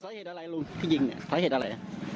เหตุอะไรลุงที่ยิงเนี่ยสาเหตุอะไร